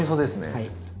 はい。